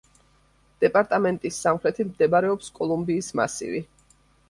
დეპარტამენტის სამხრეთით მდებარეობს კოლუმბიის მასივი.